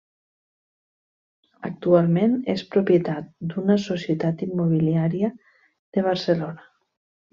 Actualment és propietat d'una societat immobiliària de Barcelona.